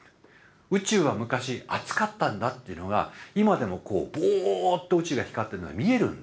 宇宙は昔熱かったんだっていうのが今でもボーッと宇宙が光ってるのが見えるんですね。